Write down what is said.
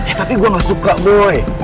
eh tapi gue gak suka boy